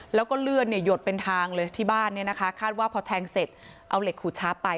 แล้วก็เลือดหยดเป็นทางเลยที่บ้านเนี่ยนะคะคาดว่าพอแทงเสร็จเอาเหล็กขูดช้าไป